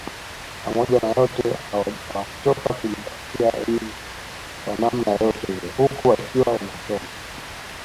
Pamoja na yote hawakuchoka kujitafutia ridhiki kwa namna yoyote ile huku wakiwa wanasoma